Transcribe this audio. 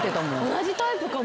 同じタイプかも。